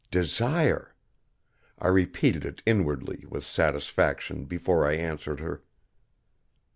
Desire! I repeated it inwardly with satisfaction before I answered her.